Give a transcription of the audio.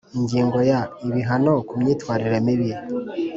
Ingingo ya ibihano ku myitwarire mibi